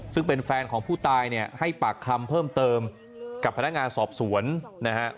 ซึ่งเป็นแฟนของผู้ตายเนี่ยให้ปากคำเพิ่มเติมกับพนักงานสอบสวนนะฮะ